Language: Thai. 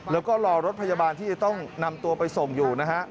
แล้วก็รอรถพยาบาลที่จะต้องนำตัวไปส่งอยู่นะฮะ